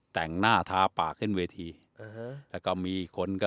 แต่งหน้าทาปากขึ้นเวทีแล้วก็มีคนก็